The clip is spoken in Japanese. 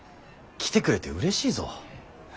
来てくれてうれしいぞ。